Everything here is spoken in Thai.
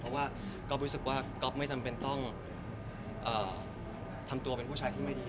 เพราะว่าก๊อฟรู้สึกว่าก๊อฟไม่จำเป็นต้องทำตัวเป็นผู้ชายที่ไม่ดี